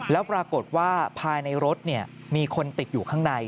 แล้วปรากฏว่าภายในรถมีคนติดอยู่ข้างใน